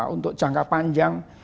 untuk jangka panjang